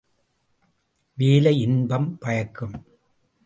வேலை இன்பம் பயக்கும்.